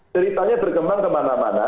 ceritanya berkembang kemana mana